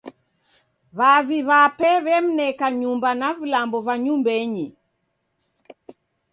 W'avi w'ape w'emneka nyumba na vilambo va nyumbenyi.